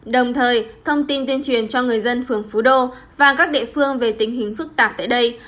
đồng thời thông tin tuyên truyền cho người dân phường phú đô và các địa phương về tình hình phức tạp tại đây